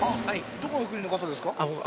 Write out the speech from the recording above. どこの国の方ですか？